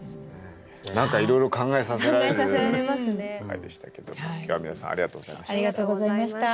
何かいろいろ考えさせられる回でしたけど今日は皆さんありがとうございました。